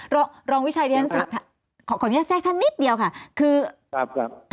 รองวิชัยเนี่ยขออนุญาตแทนนิดเดียวค่ะคือครับ